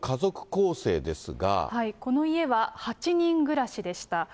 この家は８人暮らしでした。